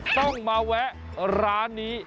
ต้องมาแวะร้านนี้